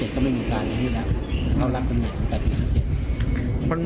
๕๗ก็ไม่เหมือนกันแล้วนี่แหละเขารับตั้งไหนตั้งแต่ปี๕๗